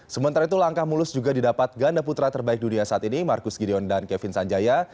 sementara itu langkah mulus juga didapat ganda putra terbaik dunia saat ini marcus gideon dan kevin sanjaya